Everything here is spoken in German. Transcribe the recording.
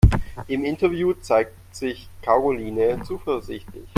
Im Interview zeigt sich Karoline zuversichtlich.